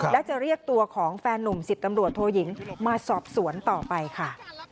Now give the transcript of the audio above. และจะเรียกตัวของแฟนนุ่ม๑๐ตำรวจโทยิงมาสอบสวนต่อไปค่ะ